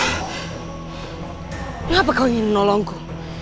kenapa kau ingin menolongku